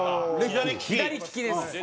左利きです。